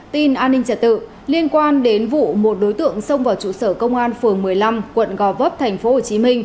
tin an ninh trả tự liên quan đến vụ một đối tượng xông vào trụ sở công an phường một mươi năm quận gò vấp tp hcm